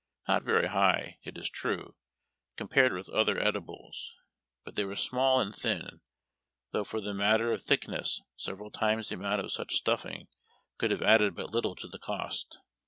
Not very high, it is true, compared with other edi bles, but they were small and thin, though for the matter of thickness several times the amount of such stuffing could have added but little to the cost.